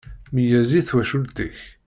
Meyyez i twacult-ik!